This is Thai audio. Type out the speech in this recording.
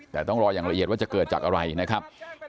แต่ต้องรออย่างละเอียดว่าจะเกิดจากอะไรนะครับ